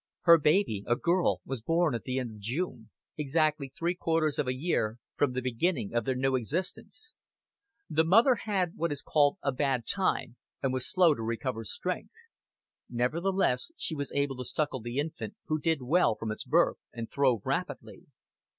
Her baby, a girl, was born at the end of June, exactly three quarters of a year from the beginning of their new existence. The mother had what is called a bad time, and was slow to recover strength. Nevertheless, she was able to suckle the infant, who did well from its birth and throve rapidly.